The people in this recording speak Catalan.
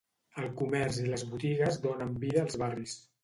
El comerç i les botigues donen vida als barris.